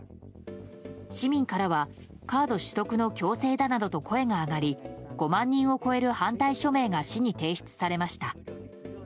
市民からは、カード取得の強制だなどと声が上がり５万人を超える反対署名が市に提出されました。